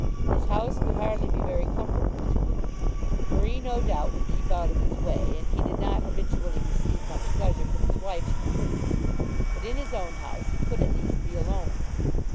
His house could hardly be very comfortable to him. Marie no doubt would keep out of his way, and he did not habitually receive much pleasure from his wife's company. But in his own house he could at least be alone.